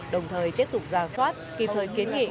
đồng thời tiếp tục ra soát kịp thời kiến nghị